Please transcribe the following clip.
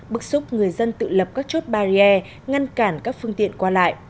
bức xúc người dân tự lập các chốt barrier ngăn cản các phương tiện qua lại